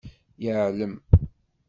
Yeεlem.